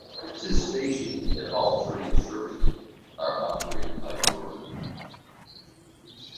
The station, and all trains serving it, is operated by Northern.